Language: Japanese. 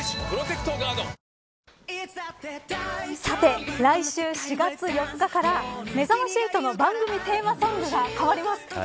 さて来週４月４日からめざまし８の番組テーマソングが変わります。